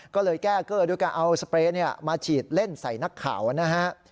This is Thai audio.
ก็เลยแก้เกอร์ด้วยการเอาสเปรย์มาฉีดเล่นใส่นักข่าวนะฮะ